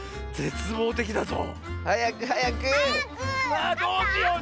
あどうしよう！